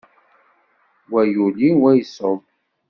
Wa yuli, wa iṣubb.